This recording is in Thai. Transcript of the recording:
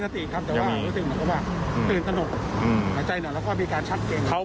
ที่กับม